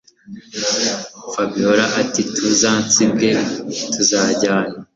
Fabiora atituzansige tuzajyana